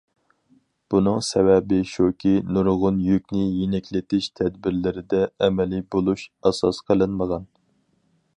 بۇنىڭ سەۋەبى شۇكى، نۇرغۇن يۈكنى يېنىكلىتىش تەدبىرلىرىدە« ئەمەلىي بولۇش» ئاساس قىلىنمىغان.